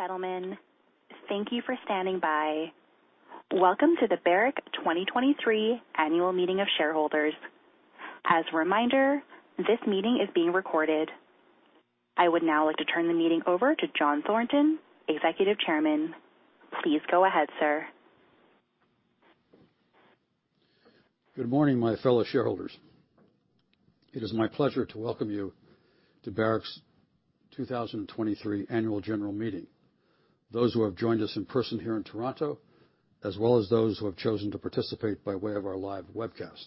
Ladies and gentlemen, thank you for standing by. Welcome to the Barrick 2023 Annual Meeting of Shareholders. As a reminder, this meeting is being recorded. I would now like to turn the meeting over to John Thornton, Executive Chairman. Please go ahead, sir. Good morning, my fellow shareholders. It is my pleasure to welcome you to Barrick's 2023 annual general meeting. Those who have joined us in person here in Toronto, as well as those who have chosen to participate by way of our live webcast.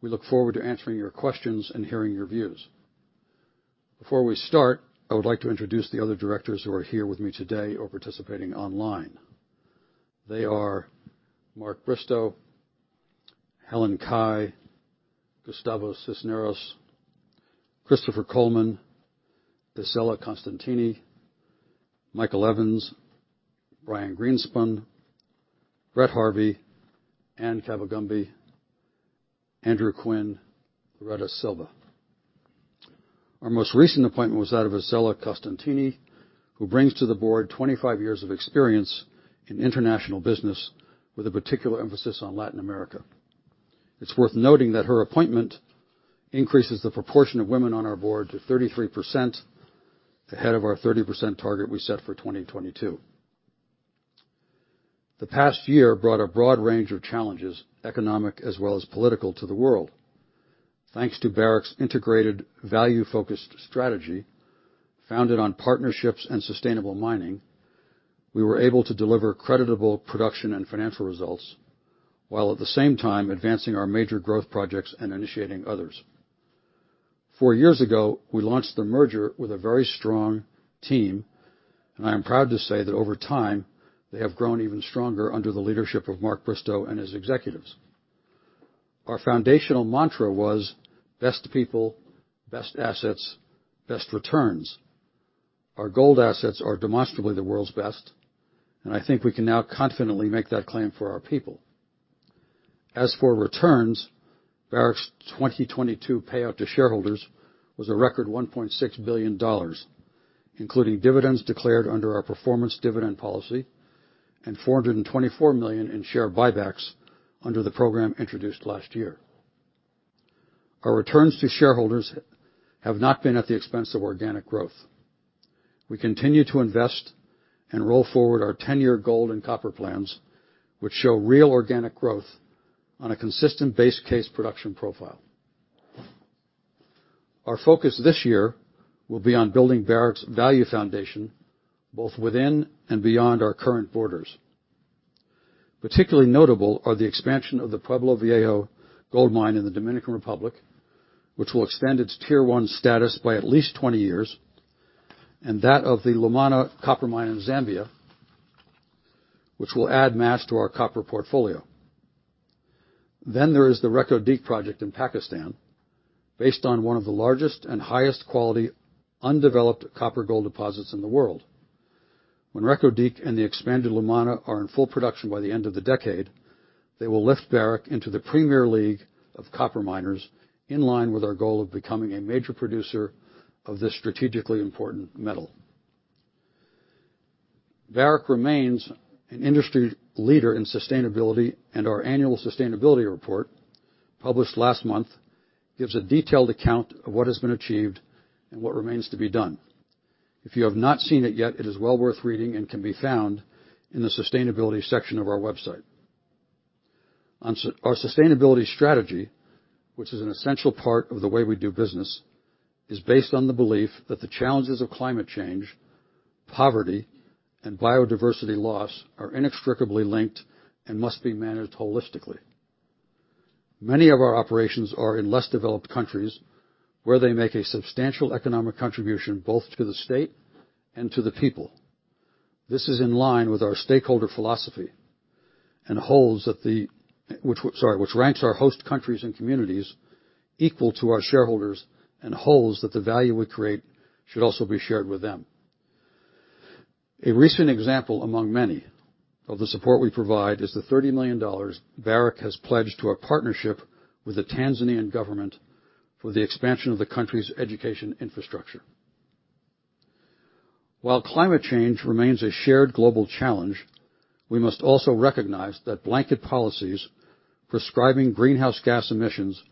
We look forward to answering your questions and hearing your views. Before we start, I would like to introduce the other directors who are here with me today or participating online. They are Mark Bristow, Helen Cai, Gustavo Cisneros, Christopher Coleman, Isela Costantini, Michael Evans, Brian Greenspun, Brett Harvey, Anne Kabagambe, Andrew Quinn, Loreto Silva. Our most recent appointment was that of Isela Costantini, who brings to the board 25 years of experience in international business with a particular emphasis on Latin America. It's worth noting that her appointment increases the proportion of women on our board to 33%, ahead of our 30% target we set for 2022. The past year brought a broad range of challenges, economic as well as political to the world. Thanks to Barrick's integrated value-focused strategy, founded on partnerships and sustainable mining, we were able to deliver creditable production and financial results, while at the same time advancing our major growth projects and initiating others. Four years ago, we launched the merger with a very strong team, and I am proud to say that over time, they have grown even stronger under the leadership of Mark Bristow and his executives. Our foundational mantra was, best people, best assets, best returns. Our gold assets are demonstrably the world's best, and I think we can now confidently make that claim for our people. As for returns, Barrick's 2022 payout to shareholders was a record $1.6 billion, including dividends declared under our performance dividend policy and $424 million in share buybacks under the program introduced last year. Our returns to shareholders have not been at the expense of organic growth. We continue to invest and roll forward our 10-year gold and copper plans, which show real organic growth on a consistent base case production profile. Our focus this year will be on building Barrick's value foundation, both within and beyond our current borders. Particularly notable are the expansion of the Pueblo Viejo gold mine in the Dominican Republic, which will extend its Tier One status by at least 20 years, and that of the Lumwana copper mine in Zambia, which will add mass to our copper portfolio. There is the Reko Diq project in Pakistan, based on one of the largest and highest quality undeveloped copper gold deposits in the world. When Reko Diq and the expanded Lumwana are in full production by the end of the decade, they will lift Barrick into the premier league of copper miners in line with our goal of becoming a major producer of this strategically important metal. Barrick remains an industry leader in sustainability, and our annual sustainability report, published last month, gives a detailed account of what has been achieved and what remains to be done. If you have not seen it yet, it is well worth reading and can be found in the sustainability section of our website. Our sustainability strategy, which is an essential part of the way we do business, is based on the belief that the challenges of climate change, poverty, and biodiversity loss are inextricably linked and must be managed holistically. Many of our operations are in less developed countries where they make a substantial economic contribution, both to the state and to the people. This is in line with our stakeholder philosophy which ranks our host countries and communities equal to our shareholders and holds that the value we create should also be shared with them. A recent example, among many, of the support we provide is the $30 million Barrick has pledged to a partnership with the Tanzanian government for the expansion of the country's education infrastructure. While climate change remains a shared global challenge, we must also recognize that blanket policies prescribing greenhouse gas emissions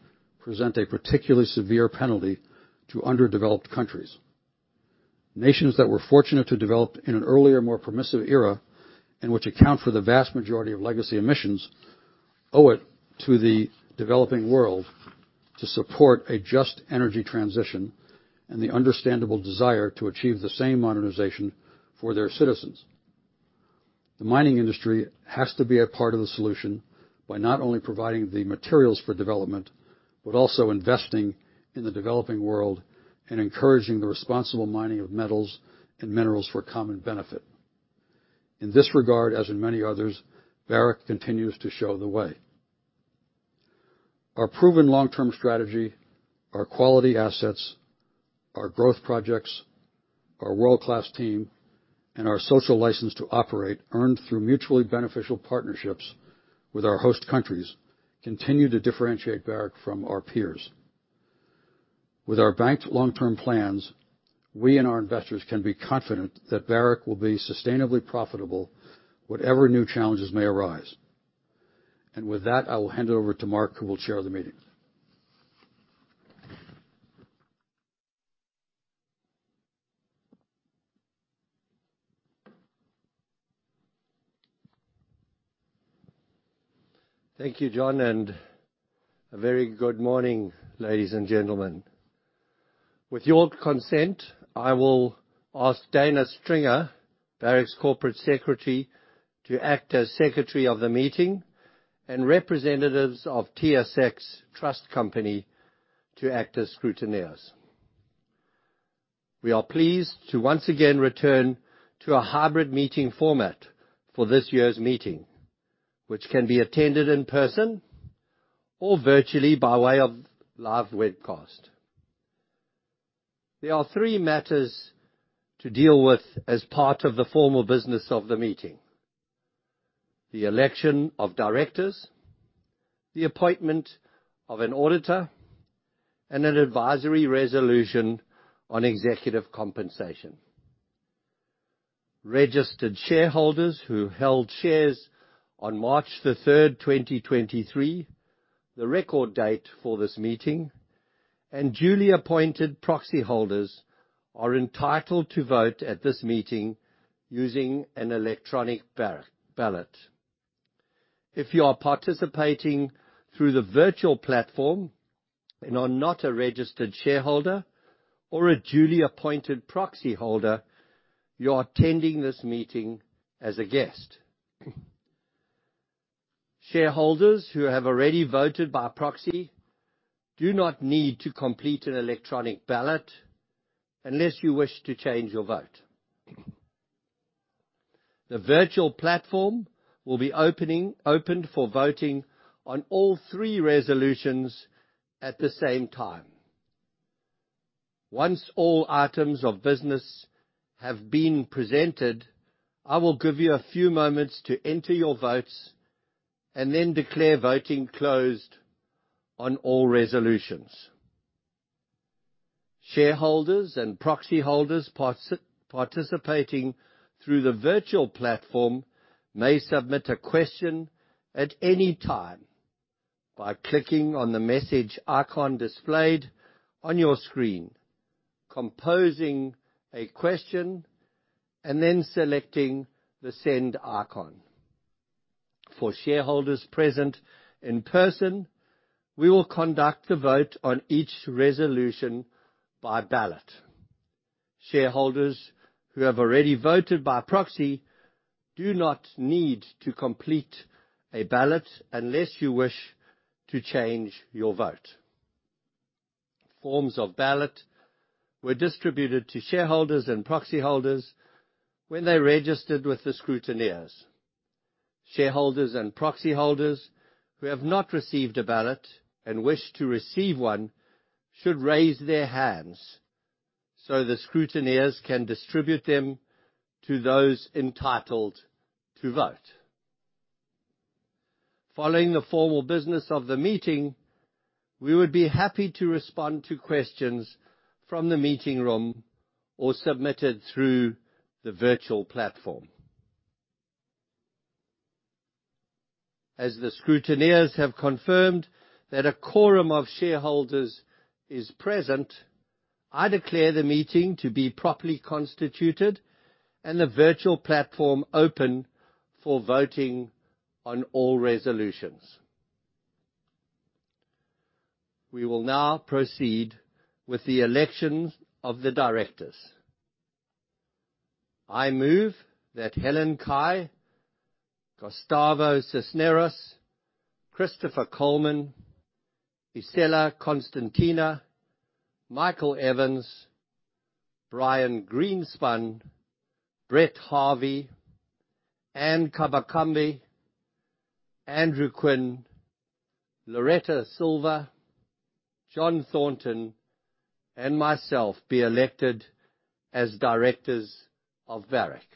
present a particularly severe penalty to underdeveloped countries. Nations that were fortunate to develop in an earlier, more permissive era, and which account for the vast majority of legacy emissions, owe it to the developing world to support a just energy transition and the understandable desire to achieve the same modernization for their citizens. The mining industry has to be a part of the solution by not only providing the materials for development, but also investing in the developing world and encouraging the responsible mining of metals and minerals for common benefit. In this regard, as in many others, Barrick continues to show the way. Our proven long-term strategy, our quality assets, our growth projects, our world-class team, and our social license to operate earned through mutually beneficial partnerships with our host countries continue to differentiate Barrick from our peers. With our banked long-term plans, we and our investors can be confident that Barrick will be sustainably profitable whatever new challenges may arise. With that, I will hand it over to Mark, who will chair the meeting. Thank you, John. A very good morning, ladies and gentlemen. With your consent, I will ask Dana Stringer, Barrick's Corporate Secretary, to act as Secretary of the meeting and representatives of TSX Trust Company to act as scrutineers. We are pleased to once again return to a hybrid meeting format for this year's meeting, which can be attended in person or virtually by way of live webcast. There are three matters to deal with as part of the formal business of the meeting: the election of directors, the appointment of an auditor, and an advisory resolution on executive compensation. Registered shareholders who held shares on March 3, 2023, the record date for this meeting, and duly appointed proxyholders are entitled to vote at this meeting using an electronic ballot. If you are participating through the virtual platform and are not a registered shareholder or a duly appointed proxyholder, you are attending this meeting as a guest. Shareholders who have already voted by proxy do not need to complete an electronic ballot unless you wish to change your vote. The virtual platform will be opened for voting on all three resolutions at the same time. Once all items of business have been presented, I will give you a few moments to enter your votes and then declare voting closed on all resolutions. Shareholders and proxyholders participating through the virtual platform may submit a question at any time by clicking on the message icon displayed on your screen, composing a question, and then selecting the send icon. For shareholders present in person, we will conduct the vote on each resolution by ballot. Shareholders who have already voted by proxy do not need to complete a ballot unless you wish to change your vote. Forms of ballot were distributed to shareholders and proxyholders when they registered with the scrutineers. Shareholders and proxyholders who have not received a ballot and wish to receive one should raise their hands so the scrutineers can distribute them to those entitled to vote. Following the formal business of the meeting, we would be happy to respond to questions from the meeting room or submitted through the virtual platform. As the scrutineers have confirmed that a quorum of shareholders is present, I declare the meeting to be properly constituted and the virtual platform open for voting on all resolutions. We will now proceed with the elections of the directors. I move that Helen Cai, Gustavo Cisneros, Christopher Coleman, Isela Costantini, Michael Evans, Brian Greenspun, Brett Harvey, Anne Kabagambe, Andrew Quinn, Loreto Silva, John Thornton, and myself be elected as directors of Barrick.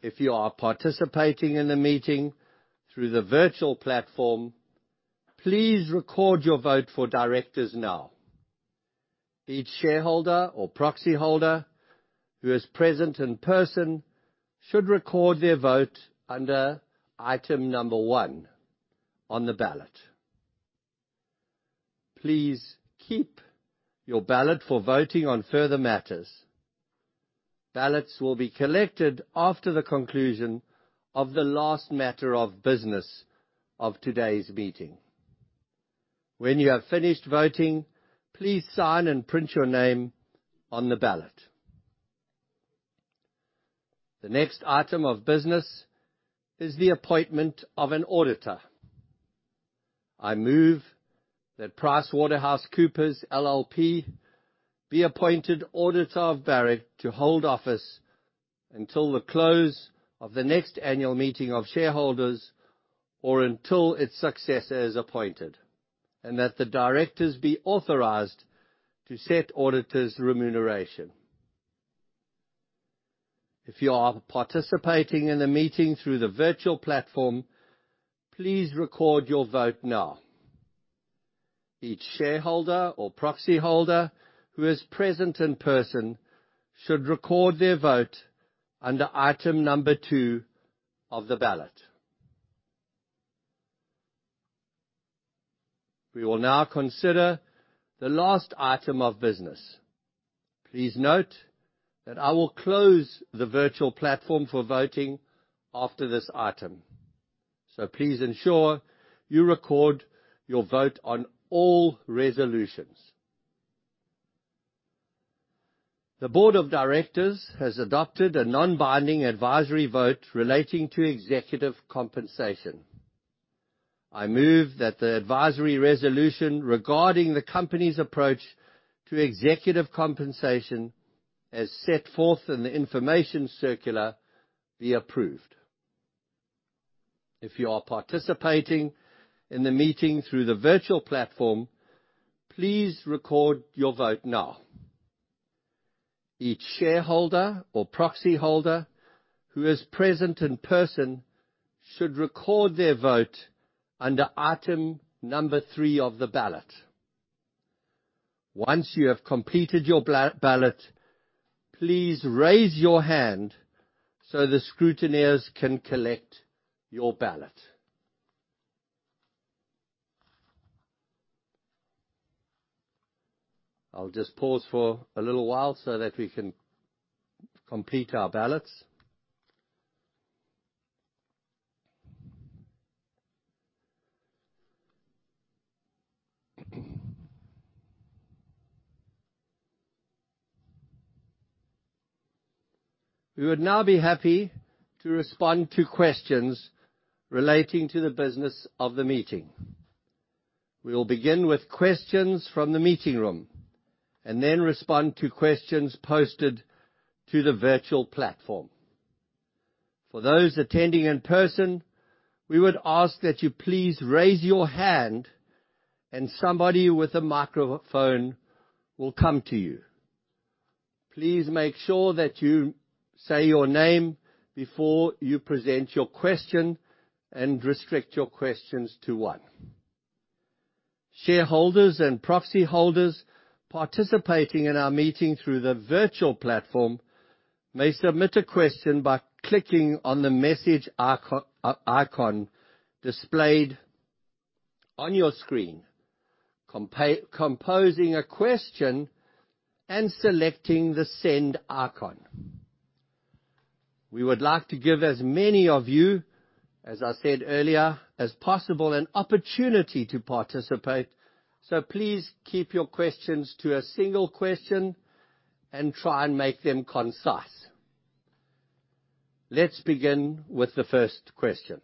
If you are participating in the meeting through the virtual platform, please record your vote for directors now. Each shareholder or proxyholder who is present in person should record their vote under item number one on the ballot. Please keep your ballot for voting on further matters. Ballots will be collected after the conclusion of the last matter of business of today's meeting. When you have finished voting, please sign and print your name on the ballot. The next item of business is the appointment of an auditor. I move that PricewaterhouseCoopers LLP, be appointed Auditor of Barrick to hold office until the close of the next annual meeting of shareholders, or until its successor is appointed, and that the directors be authorized to set auditor's remuneration. If you are participating in the meeting through the virtual platform, please record your vote now. Each shareholder or proxy holder who is present in person should record their vote under item number two of the ballot. We will now consider the last item of business. Please note that I will close the virtual platform for voting after this item, so please ensure you record your vote on all resolutions. The board of directors has adopted a non-binding advisory vote relating to executive compensation. I move that the advisory resolution regarding the company's approach to executive compensation, as set forth in the information circular, be approved. If you are participating in the meeting through the virtual platform, please record your vote now. Each shareholder or proxy holder who is present in person should record their vote under item number three of the ballot. Once you have completed your ballot, please raise your hand so the scrutineers can collect your ballot. I'll just pause for a little while so that we can complete our ballots. We would now be happy to respond to questions relating to the business of the meeting. We will begin with questions from the meeting room and then respond to questions posted to the virtual platform. For those attending in person, we would ask that you please raise your hand and somebody with a microphone will come to you. Please make sure that you say your name before you present your question and restrict your questions to one. Shareholders and proxy holders participating in our meeting through the virtual platform may submit a question by clicking on the message icon displayed on your screen, composing a question and selecting the send icon. We would like to give as many of you, as I said earlier, as possible an opportunity to participate, so please keep your questions to a single question and try and make them concise. Let's begin with the first question.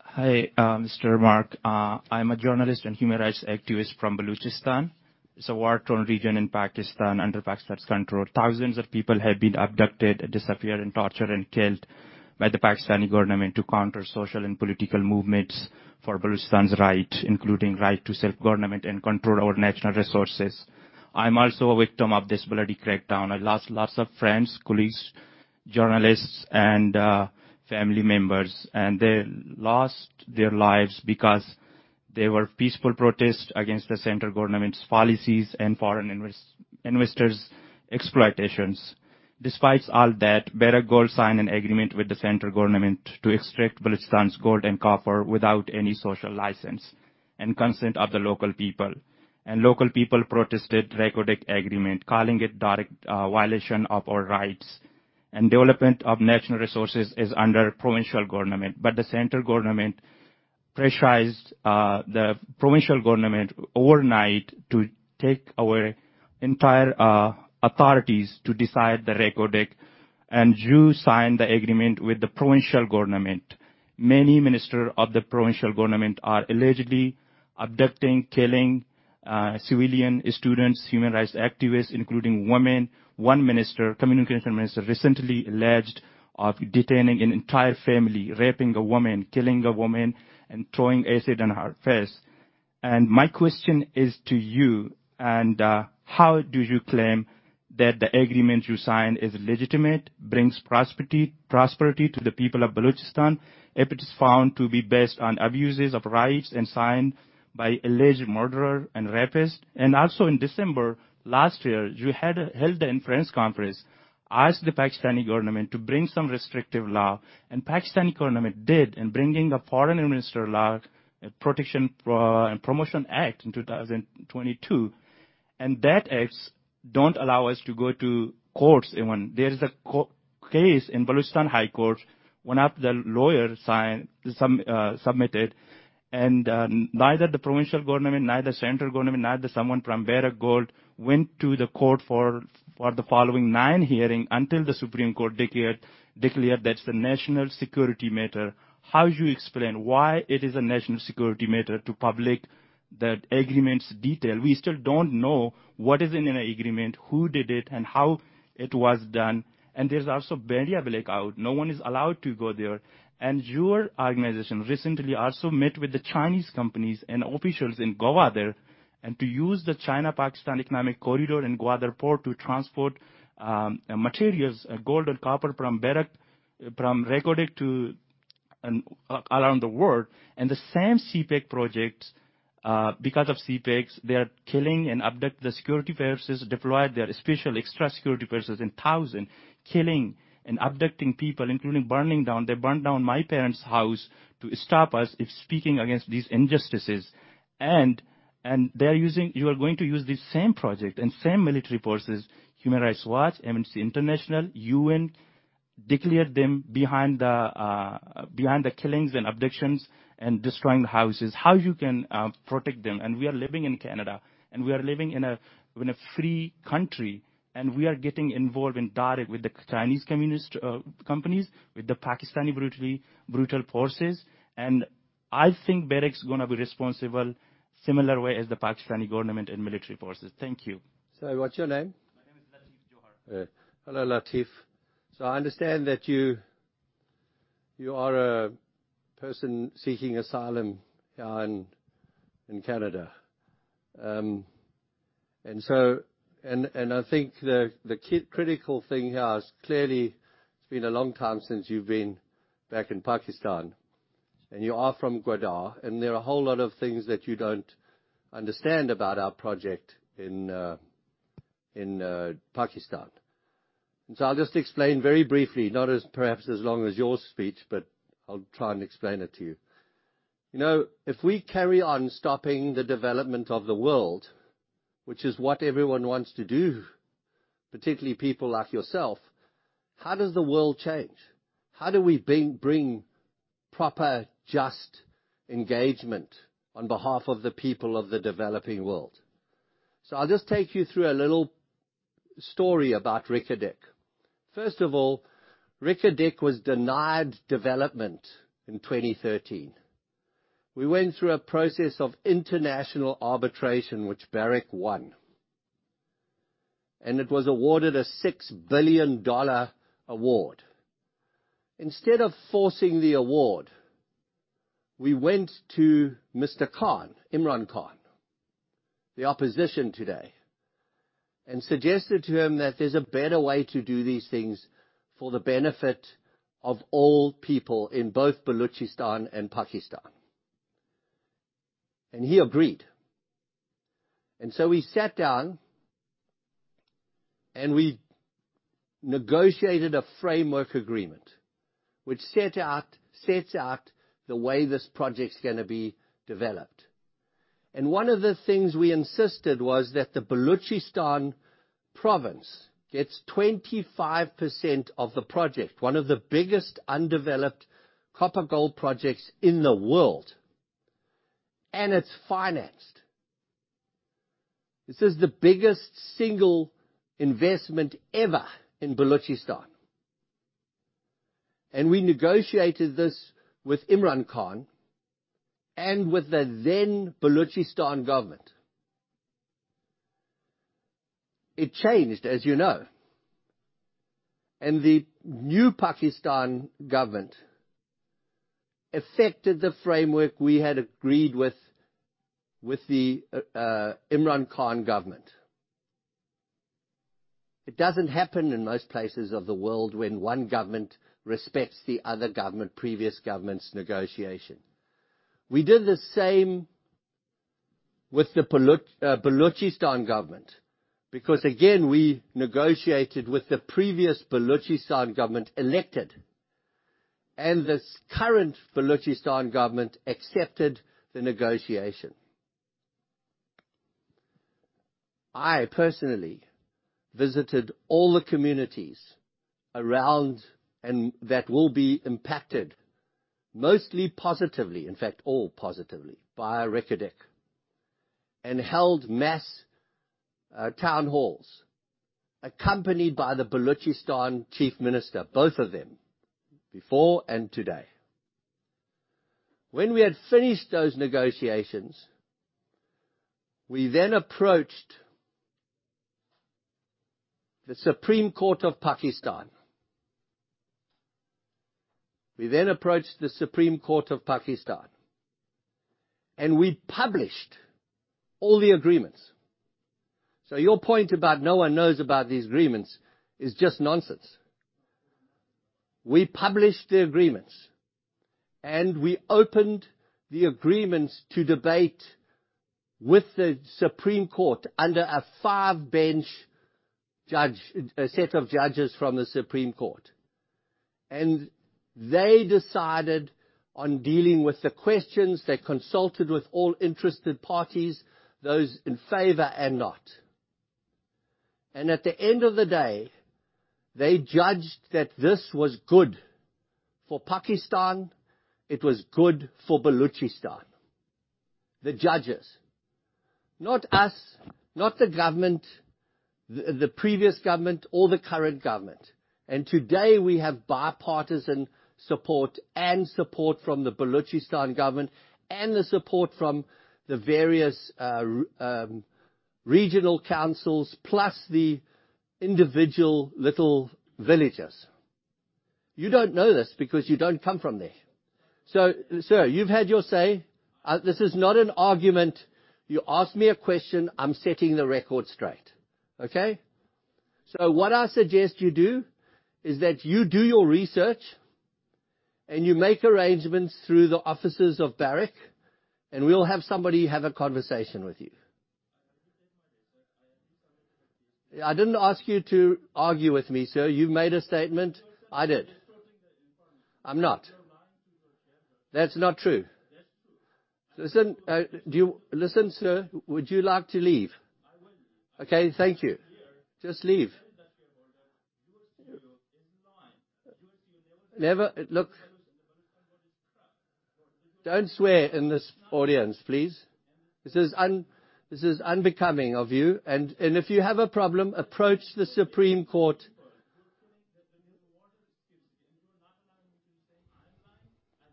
Hi, Mr. Mark. I'm a journalist and human rights activist from Balochistan. It's a war-torn region in Pakistan under Pakistan's control. Thousands of people have been abducted, disappeared, and tortured, and killed by the Pakistani government to counter social and political movements for Balochistan's right, including right to self-government and control over national resources. I'm also a victim of this bloody crackdown. I lost lots of friends, colleagues, journalists, and family members, and they lost their lives because there were peaceful protests against the central government's policies and foreign investors' exploitations. Despite all that, Barrick Gold signed an agreement with the central government to extract Balochistan's gold and copper without any social license and consent of the local people. Local people protested Reko Diq agreement, calling it direct violation of our rights. Development of national resources is under provincial government, but the central government pressurized the provincial government overnight to take away entire authorities to decide the Reko Diq. You signed the agreement with the provincial government. Many minister of the provincial government are allegedly abducting, killing, civilian students, human rights activists, including women. One minister, communication minister, recently alleged of detaining an entire family, raping a woman, killing a woman, and throwing acid on her face. My question is to you, how do you claim that the agreement you signed is legitimate, brings prosperity to the people of Balochistan if it is found to be based on abuses of rights and signed by alleged murderer and rapist? In December last year, you held a press conference, asked the Pakistani government to bring some restrictive law. Pakistani government did in bringing the Foreign Investment (Protection and Promotion Act, 2022). That Act don't allow us to go to courts even. There is a court case in Balochistan High Court when up the lawyer signed, submitted and, neither the provincial government, neither central government, neither someone from Barrick Gold went to the court for the following nine hearing until the Supreme Court declared that's a national security matter. How do you explain why it is a national security matter to public that agreement's detail? We still don't know what is in an agreement, who did it, and how it was done. There's also media blackout. No one is allowed to go there. Your organization recently also met with the Chinese companies and officials in Gwadar, to use the China-Pakistan Economic Corridor in Gwadar port to transport materials, gold and copper from Barrick, from Reko Diq around the world. The same CPEC projects, because of CPECs, they are killing and abduct the security forces deployed there, especially extra security forces in 1,000, killing and abducting people, including burning down. They burned down my parents' house to stop us if speaking against these injustices. You are going to use the same project and same military forces, Human Rights Watch, Amnesty International, UN, declared them behind the killings and abductions and destroying the houses. How you can protect them? We are living in Canada, and we are living in a free country, and we are getting involved in direct with the Chinese communist companies, with the Pakistani brutal forces. I think Barrick's gonna be responsible similar way as the Pakistani government and military forces. Thank you. Sorry, what's your name? My name is Lateef Johar. Hello, Lateef. I understand that you are a person seeking asylum in Canada. And I think the critical thing here is clearly it's been a long time since you've been back in Pakistan, and you are from Gwadar, and there are a whole lot of things that you don't understand about our project in Pakistan. I'll just explain very briefly, not as perhaps as long as your speech, but I'll try and explain it to you. You know, if we carry on stopping the development of the world, which is what everyone wants to do, particularly people like yourself, how does the world change? How do we bring proper, just engagement on behalf of the people of the developing world? I'll just take you through a little story about Reko Diq. First of all, Reko Diq was denied development in 2013. We went through a process of international arbitration, which Barrick won. It was awarded a $6 billion award. Instead of forcing the award, we went to Mr. Khan, Imran Khan, the opposition today, suggested to him that there's a better way to do these things for the benefit of all people in both Balochistan and Pakistan. He agreed. We sat down, and we negotiated a framework agreement which sets out the way this project's gonna be developed. One of the things we insisted was that the Balochistan province gets 25% of the project, one of the biggest undeveloped copper gold projects in the world. It's financed. This is the biggest single investment ever in Balochistan, we negotiated this with Imran Khan and with the then Balochistan government. It changed, as you know. The new Pakistan government affected the framework we had agreed with the Imran Khan government. It doesn't happen in most places of the world when one government respects the other government, previous government's negotiation. We did the same with the Balochistan government because, again, we negotiated with the previous Balochistan government elected, and this current Balochistan government accepted the negotiation. I personally visited all the communities around and that will be impacted mostly positively, in fact, all positively by Reko Diq, and held mass town halls accompanied by the Balochistan Chief Minister, both of them, before and today. When we had finished those negotiations, we then approached the Supreme Court of Pakistan. We then approached the Supreme Court of Pakistan, and we published all the agreements. Your point about no one knows about these agreements is just nonsense. We published the agreements, we opened the agreements to debate with the Supreme Court under a five-bench judge, a set of judges from the Supreme Court. They decided on dealing with the questions. They consulted with all interested parties, those in favor and not. At the end of the day, they judged that this was good for Pakistan, it was good for Balochistan, the judges. Not us, not the government, the previous government or the current government. Today we have bipartisan support and support from the Balochistan government and the support from the various regional councils plus the individual little villagers. You don't know this because you don't come from there. Sir, you've had your say. This is not an argument. You asked me a question. I'm setting the record straight. Okay? What I suggest you do is that you do your research and you make arrangements through the offices of Barrick, and we'll have somebody have a conversation with you. I already did my research. I am just having a conversation. I didn't ask you to argue with me, sir. You made a statement. I didn't. You are certainly disrupting the environment. I'm not. You're lying to your shareholders. That's not true. That's true. Listen, sir, would you like to leave? I will leave. Okay, thank you. Just leave. You tell the shareholder you assume is lying. You assume they will- Never. The Balochistan one is crap. Don't swear in this audience, please. This is unbecoming of you. If you have a problem, approach the Supreme Court. You're telling that when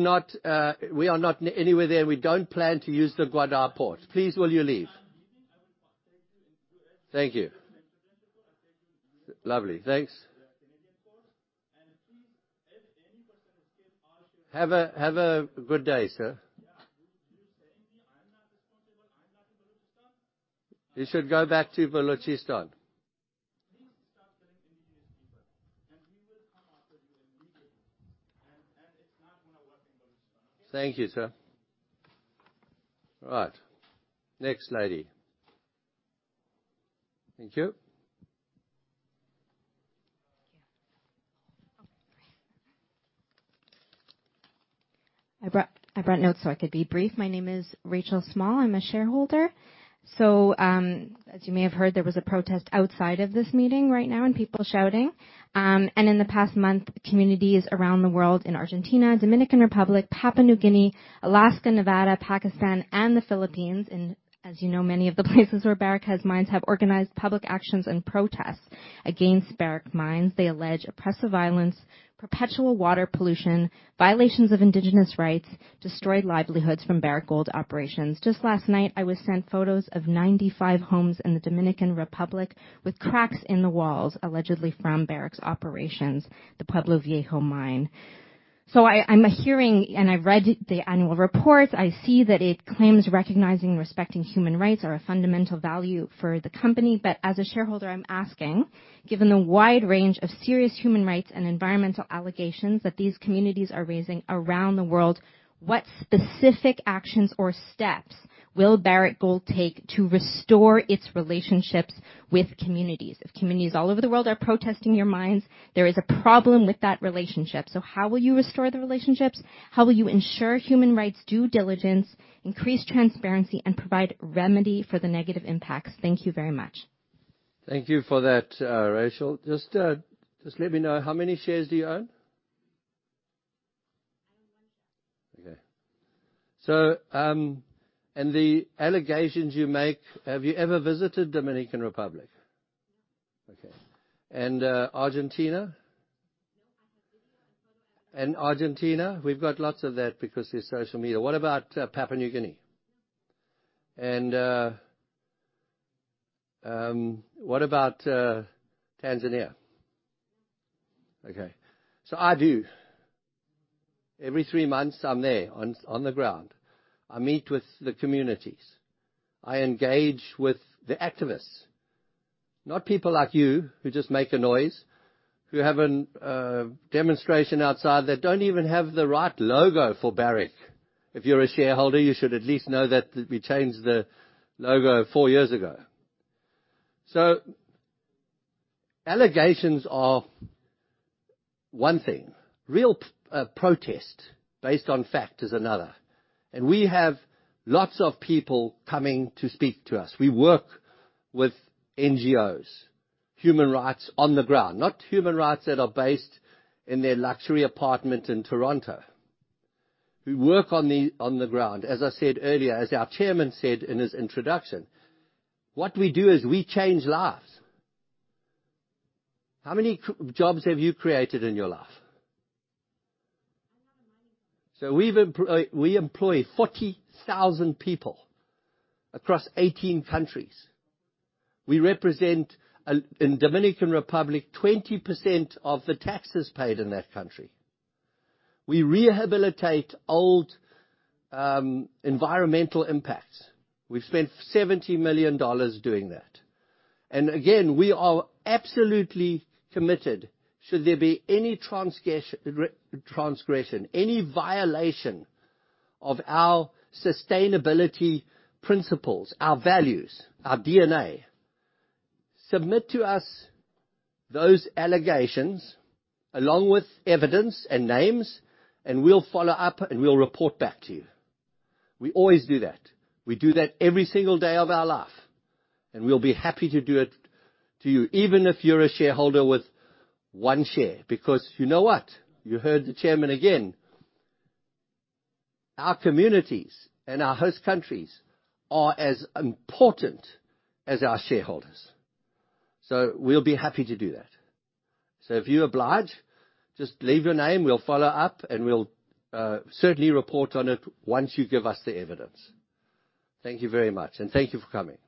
the water is scarce and you're not allowing me to say I'm lying. I don't know about Balochistan. My house has gone down because of you. You're not, we are not anywhere there. We don't plan to use the Gwadar port. Please, will you leave? I'm leaving. I will thank you and do as you said. Thank you. I thank you. Lovely. Thanks. The Canadian courts. Please, if any person escape, I assure you- Have a good day, sir. Yeah. You saying to me, I'm not responsible, I'm not in Balochistan. You should go back to Balochistan. Please stop killing indigenous people, and we will come after you. It's not gonna work in Balochistan, okay? Thank you, sir. All right. Next lady. Thank you. Thank you. Oh, sorry. I brought notes, so I could be brief. My name is Rachel Small. I'm a shareholder. As you may have heard, there was a protest outside of this meeting right now and people shouting. In the past month, communities around the world in Argentina, Dominican Republic, Papua New Guinea, Alaska, Nevada, Pakistan and the Philippines. As you know, many of the places where Barrick has mines have organized public actions and protests against Barrick mines. They allege oppressive violence, perpetual water pollution, violations of indigenous rights, destroyed livelihoods from Barrick Gold operations. Just last night, I was sent photos of 95 homes in the Dominican Republic with cracks in the walls, allegedly from Barrick's operations, the Pueblo Viejo mine. I'm hearing and I read the annual report, I see that it claims recognizing respecting human rights are a fundamental value for the company. As a shareholder, I'm asking, given the wide range of serious human rights and environmental allegations that these communities are raising around the world, what specific actions or steps will Barrick Gold take to restore its relationships with communities? If communities all over the world are protesting your mines, there is a problem with that relationship. How will you restore the relationships? How will you ensure human rights due diligence, increase transparency and provide remedy for the negative impacts? Thank you very much. Thank you for that, Rachel. Just let me know how many shares do you own? I own one share. Okay. The allegations you make, have you ever visited Dominican Republic? No. Okay. Argentina? No. I have video and photo evidence. Argentina? We've got lots of that because there's social media. What about Papua New Guinea? No. What about Tanzania? No. I do. Every three months, I'm there on the ground. I meet with the communities. I engage with the activists. Not people like you who just make a noise, who have a demonstration outside that don't even have the right logo for Barrick. If you're a shareholder, you should at least know that we changed the logo four years ago. Allegations are one thing. Real protest based on fact is another. We have lots of people coming to speak to us. We work with NGOs, human rights on the ground, not human rights that are based in their luxury apartment in Toronto, who work on the ground. As I said earlier, as our chairman said in his introduction, what we do is we change lives. How many jobs have you created in your life? I'm not a mining company. We employ 40,000 people across 18 countries. We represent, in Dominican Republic, 20% of the taxes paid in that country. We rehabilitate old environmental impacts. We've spent $70 million doing that. Again, we are absolutely committed. Should there be any transgression, any violation of our sustainability principles, our values, our DNA, submit to us those allegations along with evidence and names, and we'll follow up and we'll report back to you. We always do that. We do that every single day of our life, and we'll be happy to do it to you, even if you're a shareholder with 1 share. You know what? You heard the chairman again. Our communities and our host countries are as important as our shareholders. We'll be happy to do that. If you oblige, just leave your name, we'll follow up, and we'll certainly report on it once you give us the evidence. Thank you very much. Thank you for coming.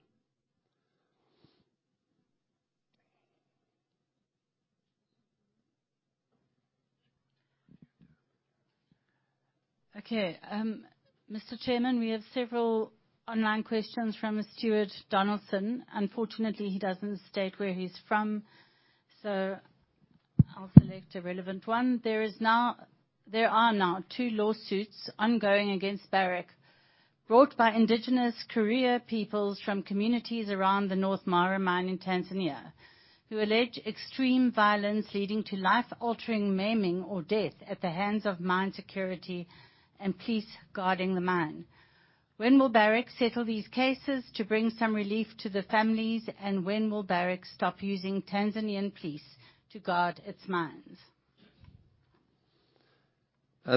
Mr. Chairman, we have several online questions from a Stuart Donaldson. Unfortunately, he doesn't state where he's from, so I'll select a relevant one. There are now two lawsuits ongoing against Barrick brought by indigenous Kuria peoples from communities around the North Mara mine in Tanzania, who allege extreme violence leading to life-altering maiming or death at the hands of mine security and police guarding the mine. When will Barrick settle these cases to bring some relief to the families, and when will Barrick stop using Tanzanian police to guard its mines?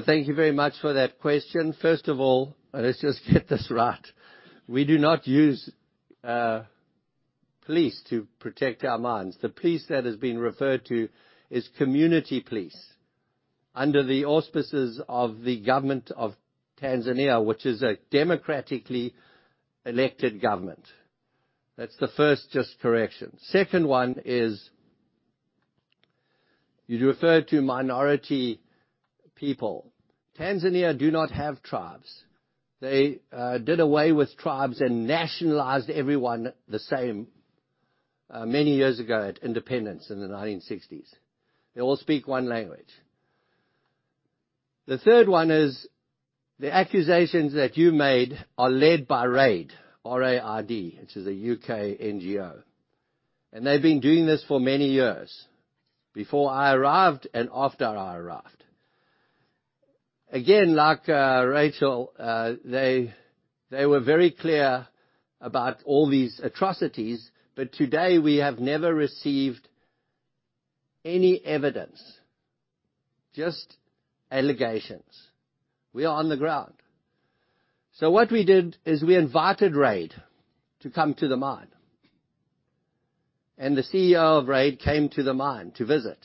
Thank you very much for that question. First of all, let's just get this right. We do not use police to protect our mines. The police that is being referred to is community police under the auspices of the government of Tanzania, which is a democratically elected government. That's the first just correction. Second one is, you refer to minority people. Tanzania do not have tribes. They did away with tribes and nationalized everyone the same many years ago at independence in the 1960s. They all speak one language. The third one is, the accusations that you made are led by RAID, R-A-I-D, which is a U.K. NGO, and they've been doing this for many years, before I arrived and after I arrived. Again, like Rachel, they were very clear about all these atrocities. Today we have never received any evidence, just allegations. We are on the ground. What we did is we invited RAID to come to the mine, and the CEO of RAID came to the mine to visit,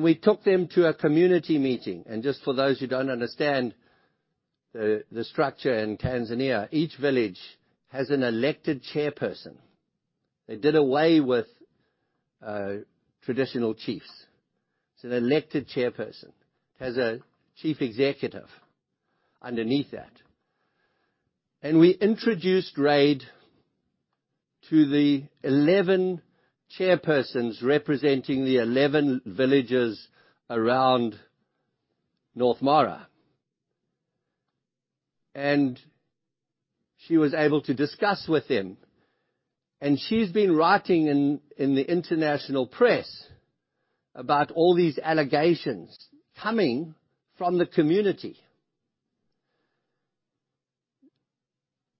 we took them to a community meeting. Just for those who don't understand the structure in Tanzania, each village has an elected chairperson. They did away with traditional chiefs. It's an elected chairperson. It has a chief executive underneath that..We introduced RAID to the 11 chairpersons representing the 11 villages around North Mara. She was able to discuss with them, she's been writing in the international press about all these allegations coming from the community.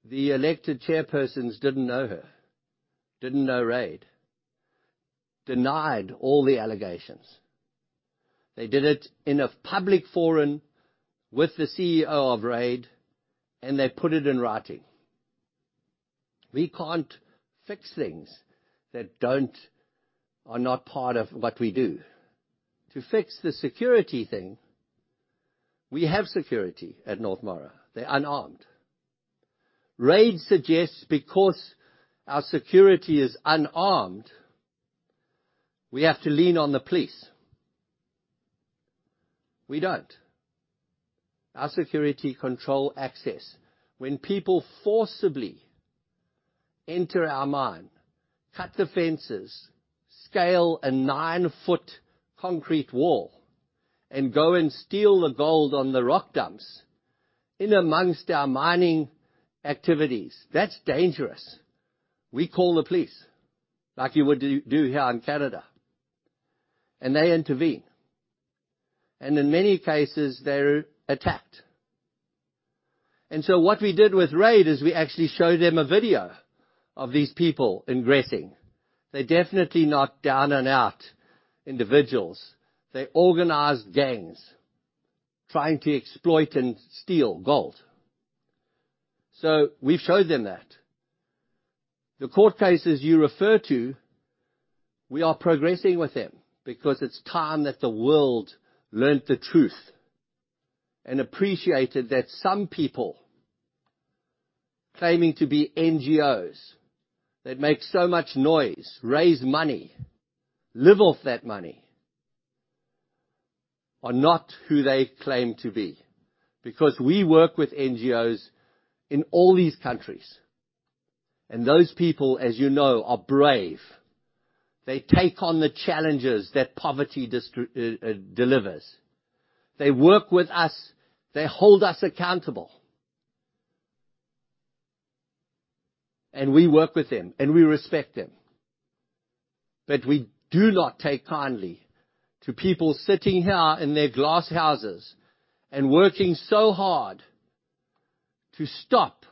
The elected chairpersons didn't know her, didn't know RAID. Denied all the allegations. They did it in a public forum with the CEO of RAID, they put it in writing. We can't fix things that are not part of what we do. To fix the security thing, we have security at North Mara. They're unarmed. RAID suggests because our security is unarmed, we have to lean on the police. We don't. Our security control access. When people forcibly enter our mine, cut the fences, scale a 9-foot concrete wall, and go and steal the gold on the rock dumps in amongst our mining activities, that's dangerous. We call the police like you would do here in Canada, they intervene. In many cases, they're attacked. What we did with RAID is we actually showed them a video of these people ingressing. They're definitely not down and out individuals. They're organized gangs trying to exploit and steal gold. We've showed them that. The court cases you refer to, we are progressing with them because it's time that the world learned the truth and appreciated that some people claiming to be NGOs, that make so much noise, raise money, live off that money, are not who they claim to be. We work with NGOs in all these countries, and those people, as you know, are brave. They take on the challenges that poverty delivers. They work with us. They hold us accountable. We work with them and we respect them. We do not take kindly to people sitting here in their glass houses and working so hard to stop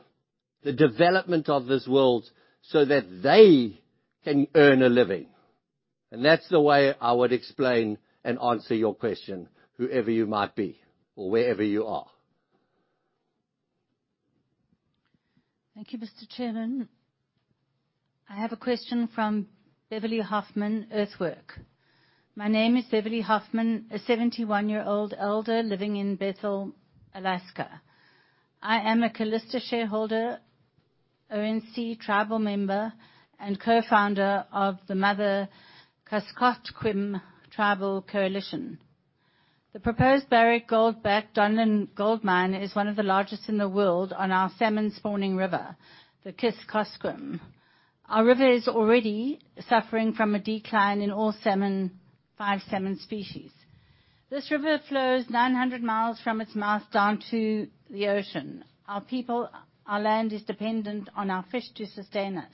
the development of this world so that they can earn a living. That's the way I would explain and answer your question, whoever you might be or wherever you are. Thank you, Mr. Chairman. I have a question from Beverly Hoffman, Earthworks. My name is Beverly Hoffman, a 71-year-old elder living in Bethel, Alaska. I am a Calista shareholder-ONC tribal member and co-founder of the Mother Kuskokwim Tribal Coalition. The proposed Barrick Gold Donlin Gold mine is one of the largest in the world on our salmon spawning river, the Kuskokwim. Our river is already suffering from a decline in all salmon, five salmon species. This river flows 900 miles from its mouth down to the ocean. Our people, our land is dependent on our fish to sustain us.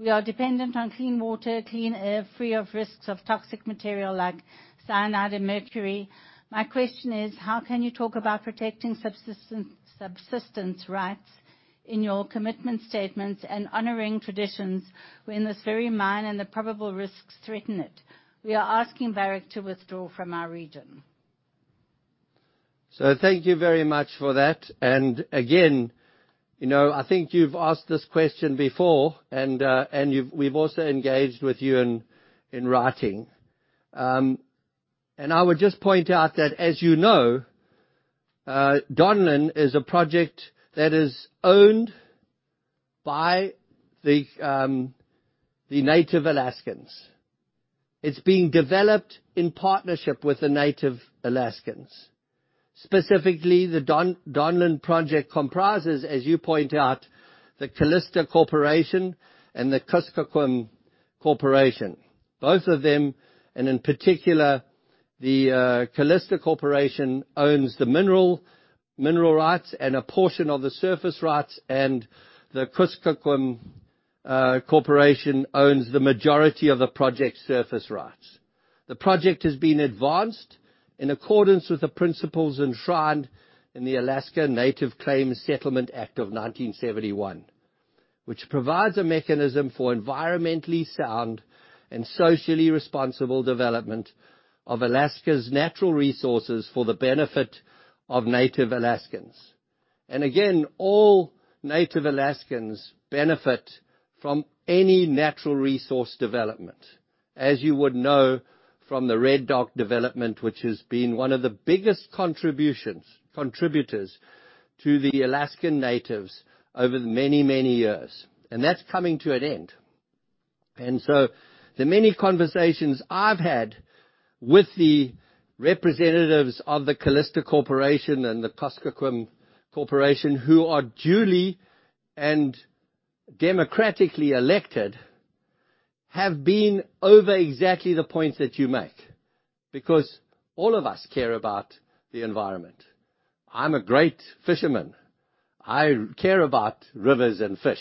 We are dependent on clean water, clean air, free of risks of toxic material like cyanide and mercury. My question is, how can you talk about protecting subsistence rights in your commitment statements and honoring traditions when this very mine and the probable risks threaten it? We are asking Barrick to withdraw from our region. Thank you very much for that. Again, you know, I think you've asked this question before, and we've also engaged with you in writing. I would just point out that, as you know, Donlin is a project that is owned by the native Alaskans. It's being developed in partnership with the native Alaskans. Specifically, the Donlin project comprises, as you point out, the Calista Corporation and the Kuskokwim Corporation, both of them, and in particular, the Calista Corporation owns the mineral rights and a portion of the surface rights, and the Kuskokwim Corporation owns the majority of the project's surface rights. The project has been advanced in accordance with the principles enshrined in the Alaska Native Claims Settlement Act of 1971, which provides a mechanism for environmentally sound and socially responsible development of Alaska's natural resources for the benefit of native Alaskans. Again, all native Alaskans benefit from any natural resource development. As you would know from the Red Dog development, which has been one of the biggest contributors to the Alaskan natives over many, many years, that's coming to an end. The many conversations I've had with the representatives of the Calista Corporation and The Kuskokwim Corporation, who are duly and democratically elected, have been over exactly the points that you make, because all of us care about the environment. I'm a great fisherman. I care about rivers and fish.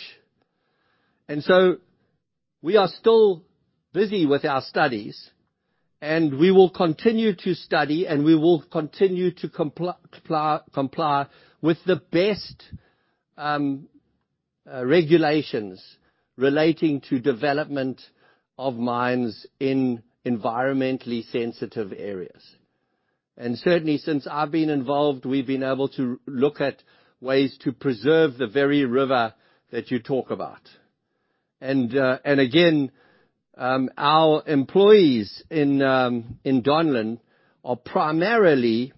We are still busy with our studies, and we will continue to study, and we will continue to comply with the best regulations relating to development of mines in environmentally sensitive areas. Certainly, since I've been involved, we've been able to look at ways to preserve the very river that you talk about. Again, our employees in Donlin are primarily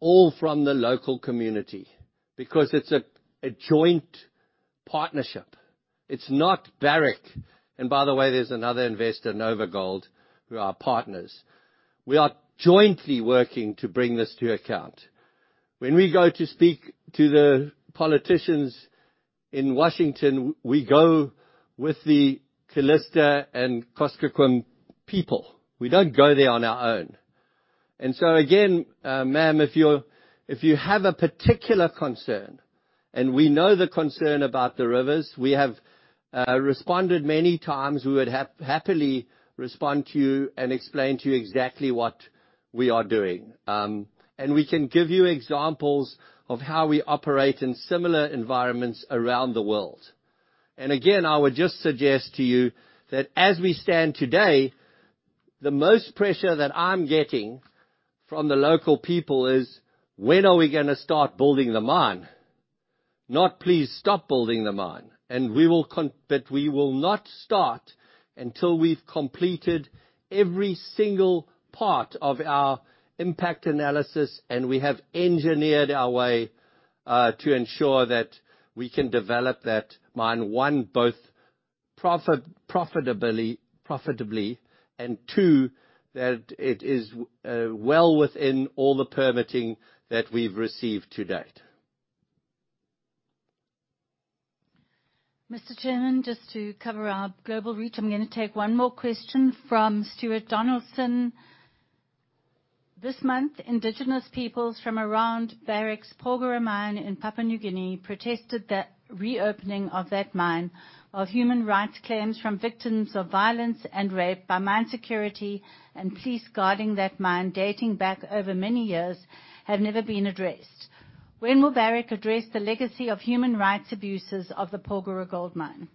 all from the local community because it's a joint partnership. It's not Barrick. By the way, there's another investor, NOVAGOLD, who are partners. We are jointly working to bring this to account. When we go to speak to the politicians in Washington, we go with the Calista and Kuskokwim people. We don't go there on our own. Again, ma'am, if you're, if you have a particular concern, and we know the concern about the rivers, we have, responded many times, we would happily respond to you and explain to you exactly what we are doing. We can give you examples of how we operate in similar environments around the world. Again, I would just suggest to you that as we stand today, the most pressure that I'm getting from the local people is, "When are we gonna start building the mine?" Not, "Please stop building the mine." We will not start until we've completed every single part of our impact analysis, and we have engineered our way to ensure that we can develop that mine, one, both profitably, and two, that it is well within all the permitting that we've received to date. Mr. Chairman, just to cover our global reach, I'm gonna take one more question from Stuart Donaldson. This month, indigenous peoples from around Barrick's Porgera mine in Papua New Guinea protested the reopening of that mine, while human rights claims from victims of violence and rape by mine security and police guarding that mine dating back over many years have never been addressed. When will Barrick address the legacy of human rights abuses of the Porgera gold mine?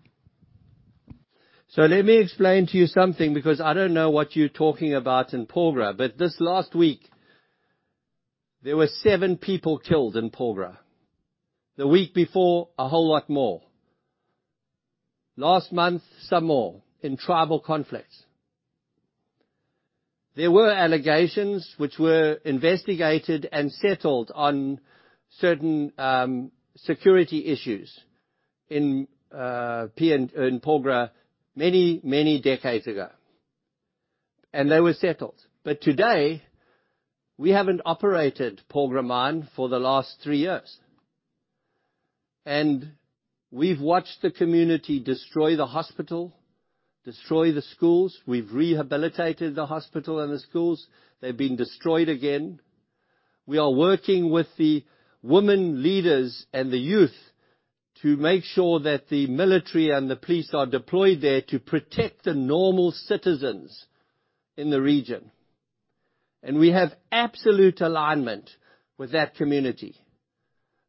Let me explain to you something, because I don't know what you're talking about in Porgera, but this last week, there were seven people killed in Porgera. The week before, a whole lot more. Last month, some more in tribal conflicts. There were allegations which were investigated and settled on certain security issues in Porgera many, many decades ago, and they were settled. Today, we haven't operated Porgera mine for the last three years. We've watched the community destroy the hospital, destroy the schools. We've rehabilitated the hospital and the schools. They've been destroyed again. We are working with the women leaders and the youth to make sure that the military and the police are deployed there to protect the normal citizens in the region. We have absolute alignment with that community.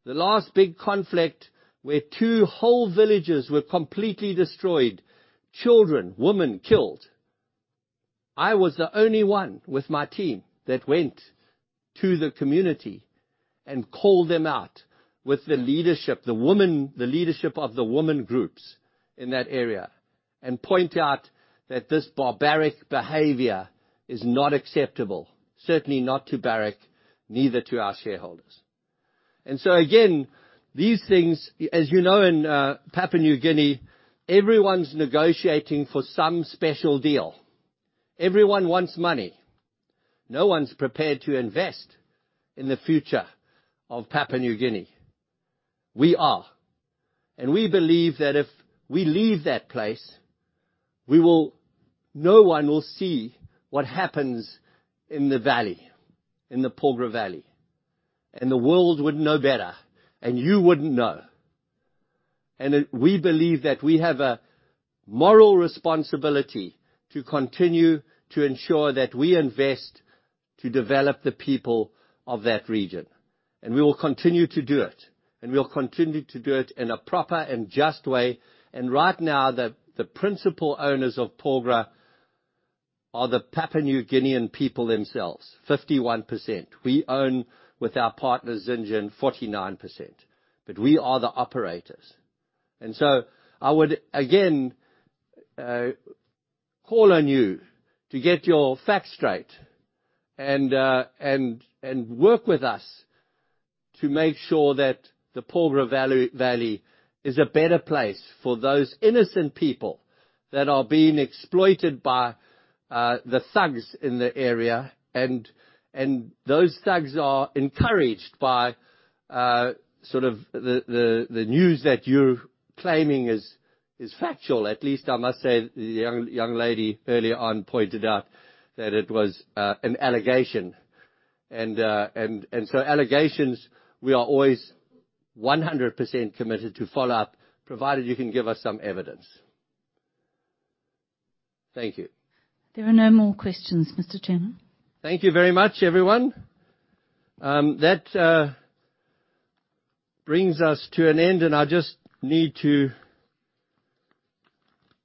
The last big conflict where two whole villages were completely destroyed, children, women killed. I was the only one with my team that went to the community and called them out with the leadership, the women, the leadership of the women groups in that area, point out that this barbaric behavior is not acceptable, certainly not to Barrick, neither to our shareholders. Again, these things... As you know, in Papua New Guinea, everyone's negotiating for some special deal. Everyone wants money. No one's prepared to invest in the future of Papua New Guinea. We are. We believe that if we leave that place, we will no one will see what happens in the valley, in the Porgera Valley, and the world would know better, and you wouldn't know. We believe that we have a moral responsibility to continue to ensure that we invest to develop the people of that region. We will continue to do it. We will continue to do it in a proper and just way. Right now, the principal owners of Porgera are the Papua New Guinean people themselves, 51%. We own with our partners, Zijin, 49%, but we are the operators. I would again call on you to get your facts straight and work with us to make sure that the Porgera Valley is a better place for those innocent people that are being exploited by the thugs in the area. Those thugs are encouraged by sort of the, the news that you're claiming is factual. At least, I must say, the young lady earlier on pointed out that it was an allegation. Allegations, we are always 100% committed to follow up, provided you can give us some evidence. Thank you. There are no more questions, Mr. Chairman. Thank you very much, everyone. That brings us to an end, and I just need to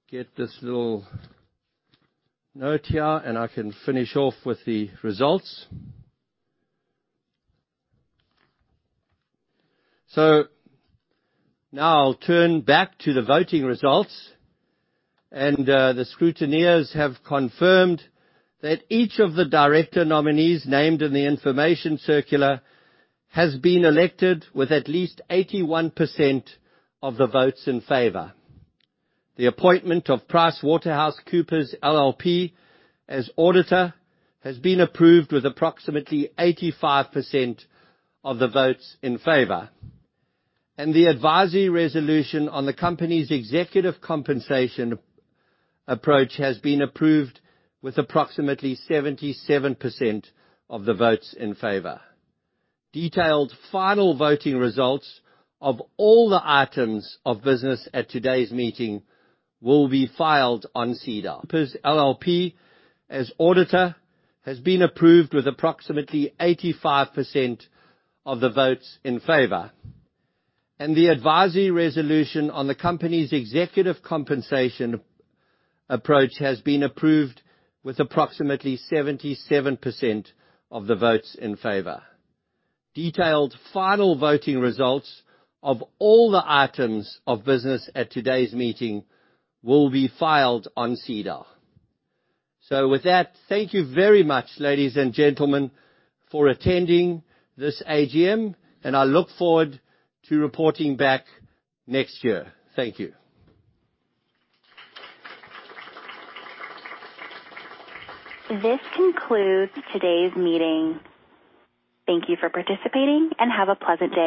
get this little note here, and I can finish off with the results. Now I'll turn back to the voting results. The scrutineers have confirmed that each of the director nominees named in the information circular has been elected with at least 81% of the votes in favor. The appointment of PricewaterhouseCoopers LLP as auditor has been approved with approximately 85% of the votes in favor. The advisory resolution on the company's executive compensation approach has been approved with approximately 77% of the votes in favor. Detailed final voting results of all the items of business at today's meeting will be filed on SEDAR. PricewaterhouseCoopers LLP as auditor has been approved with approximately 85% of the votes in favor. The advisory resolution on the company's executive compensation approach has been approved with approximately 77% of the votes in favor. Detailed final voting results of all the items of business at today's meeting will be filed on SEDAR. With that, thank you very much, ladies and gentlemen, for attending this AGM, and I look forward to reporting back next year. Thank you. This concludes today's meeting. Thank you for participating, and have a pleasant day.